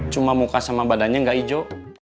cuma muka sama badannya nggak hijau